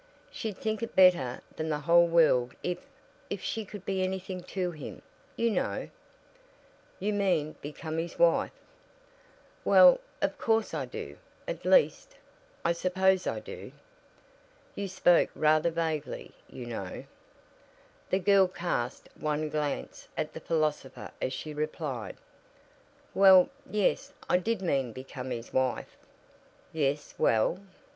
"She'd think it better than the whole world if if she could be anything to him, you know." "You mean become his wife?" "Well, of course I do at least, I suppose I do." "You spoke rather vaguely, you know." The girl cast one glance at the philosopher as she replied: "Well, yes; I did mean become his wife." "Yes. Well?"